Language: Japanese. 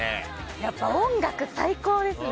やっぱり音楽最高ですね。